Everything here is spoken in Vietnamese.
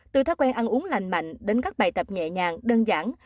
từ thói quen ăn uống lành mạnh đến các bài tập nhẹ nhàng đơn giản